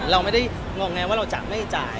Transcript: เหมือนกับเราจะไม่จ่าย